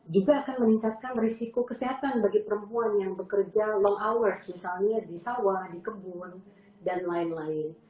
juga akan meningkatkan risiko kesehatan bagi perempuan yang bekerja long hours misalnya di sawah di kebun dan lain lain